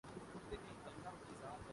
جس کا مطلب یہ ہے۔